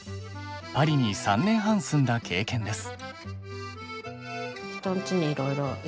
パリに３年半住んだ経験です。